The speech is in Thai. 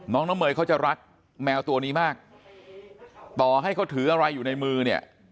น้องน้ำเมยเขาจะรักแมวตัวนี้มากต่อให้เขาถืออะไรอยู่ในมือเนี่ย